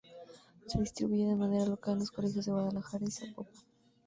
Se distribuye de manera local en colegios de Guadalajara y Zapopan.